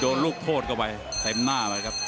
โดนลูกโทษกลัวไปเพ็ดมากเลยครับ